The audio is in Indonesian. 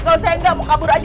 kalo saya engga mau kabur aja